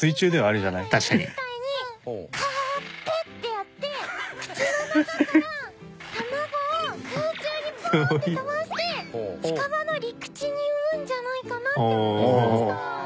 おじいちゃんが朝やるみたいに「カーッペッ！」ってやって口の中から卵を空中にポーンって飛ばして近場の陸地に産むんじゃないかなって思いました。